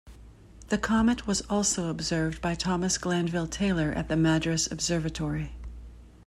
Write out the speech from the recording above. The comet was also observed by Thomas Glanville Taylor at the Madras Observatory.